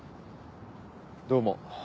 どうも。